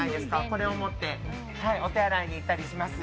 これを持ってお手洗いに行ったりします。